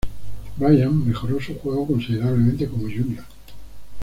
Bryant mejoró su juego considerablemente como junior.